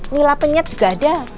mila penyet juga ada